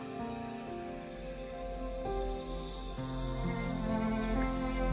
ia menemukan pelayanan ke jepang